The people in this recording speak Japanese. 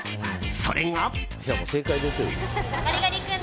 それが。